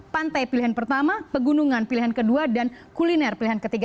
pantai pilihan pertama pegunungan pilihan kedua dan kuliner pilihan ketiga